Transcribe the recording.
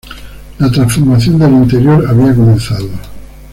La transformación del interior había comenzado.